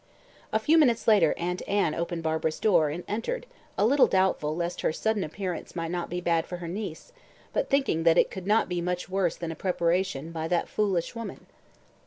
A few minutes later Aunt Anne opened Barbara's door and entered, a little doubtful lest her sudden appearance might not be bad for her niece, but thinking it could not be much worse than a preparation "by that foolish woman."